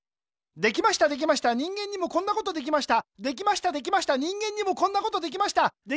できましたできました人間にもこんなことできました